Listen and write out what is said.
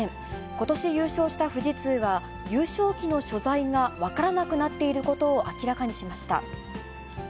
ことし優勝した富士通は、優勝旗の所在が分からなくなっていることを明らかにしました。